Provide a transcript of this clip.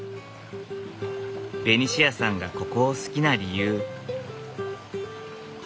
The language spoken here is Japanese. ベニシアさんがここを好きな理由。